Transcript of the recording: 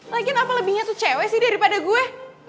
lagian apa lebihnya tuh cewek sih daripada gue